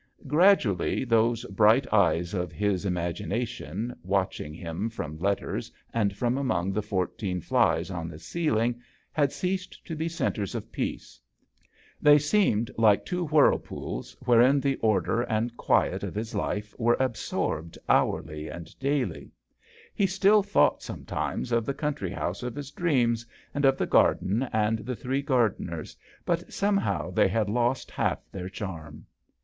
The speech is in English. GRADUALLY those bright eyes of his imagi nation, watching him from letters and from among the fourteen flies on the ceiling, had ceased to be centres of peace. They seemed like two whirl pools, wherein the order and quiet of his life were absorbed hourly and daily. He still thought sometimes of the country house of his dreams and of the garden and the three gardeners, but somehow they had lost half their charm.